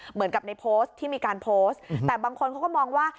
เหมือนกับในโพสต์ที่มีการโพสต์แต่บางคนเขาก็มองว่า